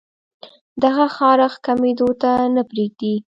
دغه خارښ کمېدو ته نۀ پرېږدي